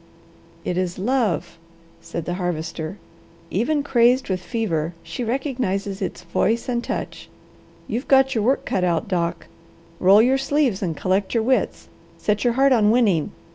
"It is love," said the Harvester. "Even crazed with fever, she recognizes its voice and touch. You've got your work cut out, Doc. Roll your sleeves and collect your wits. Set your heart on winning.